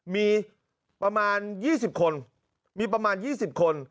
มีประมาณ๒๐คนมีประมาณ๒๐คน